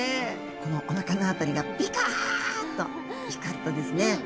このおなかの辺りがピカッと光るとですね